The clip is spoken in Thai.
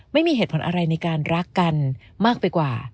ไม่มีเหตุผลอะไรในการรักกันมากไปกว่า